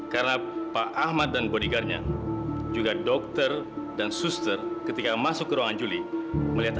karena pak ahmad dan bodyguardnya juga dokter dan suster ketika masuk ke ruangan juli melihat